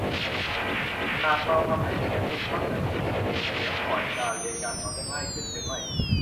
หากเราทำให้เด็กนักเรียนเข้าใจตนเองเสียก่อน การเรียนการสอนจะง่ายขึ้นหรือไม่